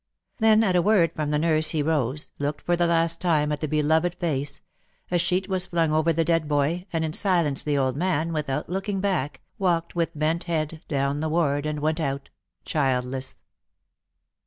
Then at a word from the nurse he rose, looked for tlie last time at the beloved face — a sheet v/as flung over the dead boy, and in silence the old man, without looking back, walked with bent head down the ward and went out — childless.